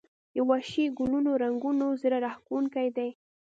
د وحشي ګلونو رنګونه زړه راښکونکي دي